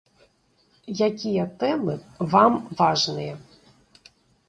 Якія тэмы вам важныя?